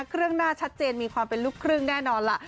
เครื่องหน้าชัดเจนมีความเป็นลูกครึ่งแน่นอนล่ะ